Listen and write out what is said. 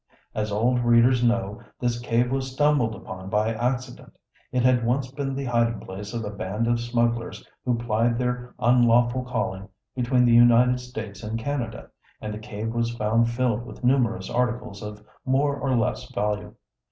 As old readers know, this cave was stumbled upon by accident. It had once been the hiding place of a band of smugglers who plied their unlawful calling between the United States and Canada, and the cave was found filled with numerous articles of more or less value.